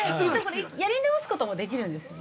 これ、でも、やり直すこともできるんですよね。